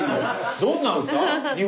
どんな歌？